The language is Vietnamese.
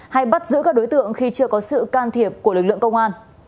hay bắt giữ các đối tượng khi chưa có sự can thiệp của lực lượng công an